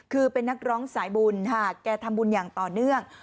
คือเป็นนักร้องสายบุญหากแกทำบุญอย่างต่อเนื่อง